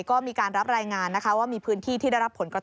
ก็มีการรับรายงานนะคะว่ามีพื้นที่ที่ได้รับผลกระทบ